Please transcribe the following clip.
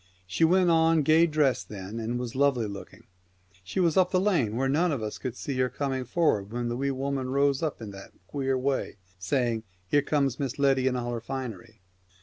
She went on gay dressed then, and was lovely looking. She was up the lane where none of us could see her coming forward when the Wee Woman rose up in that queer way, saying, " Here comes Miss Letty in all her finery."